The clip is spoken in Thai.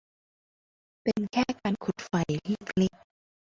เป็นแค่การขุดไฟเล็ก ๆ